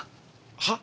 はっ？